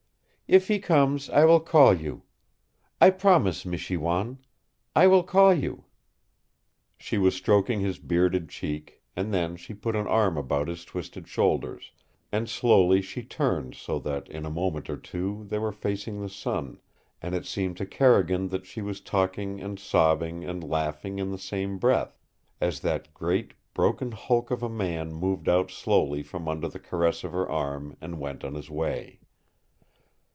If he comes, I will call you. I promise, Michiwan. I will call you!" She was stroking his bearded cheek, and then she put an arm about his twisted shoulders, and slowly she turned so that in a moment or two they were facing the sun and it seemed to Carrigan that she was talking and sobbing and laughing in the same breath, as that great, broken hulk of a man moved out slowly from under the caress of her arm and went on his way.